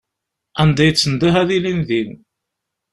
Anda i d-tendeh ad ilin din.